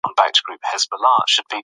د ژمي د موسم له را رسېدو او د بارانونو